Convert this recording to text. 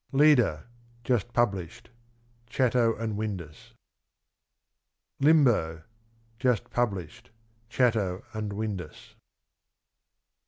LED A. Just Published. Chatto and Windus. J LIMBO. Tust Published. Chatto and Windus.